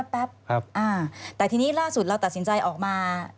แป๊บแต่ทีนี้ล่าสุดเราตัดสินใจออกมา